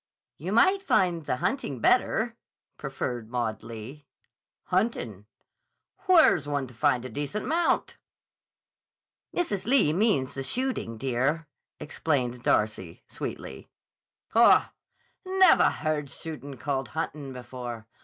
"You might find the hunting better," proffered Maud Lee. "Huntin'? Where's one to find a decent mount?" "Mrs. Lee means the shooting, dear," explained Darcy, sweetly. "Haw! Nevah heard shootin' called huntin' before.